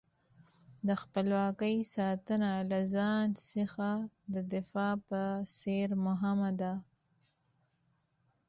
د خپلواکۍ ساتنه له ځان څخه د دفاع په څېر مهمه ده.